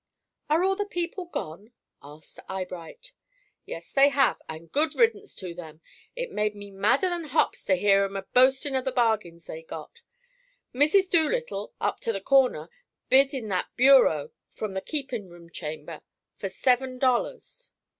"Are all the people gone?" asked Eyebright. "Yes, they have, and good riddance to them. It made me madder than hops to hear 'em a boastin' of the bargains they'd got. Mrs. Doolittle, up to the corner, bid in that bureau from the keepin' room chamber for seven dollars.